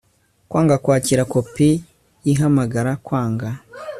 Kwanga kwakira kopi y ihamagara kwanga